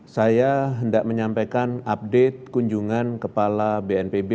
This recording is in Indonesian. saya hendak menyampaikan update kunjungan kepala bnpb